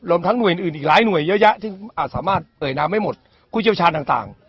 รวมทั้งหน่วยอื่นอื่นอีกหลายหน่วยเยอะแยะที่อาจสามารถเอ่ยนามไม่หมดกู้เจ้าชาญต่าง